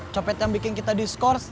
copet yang bikin kita diskurs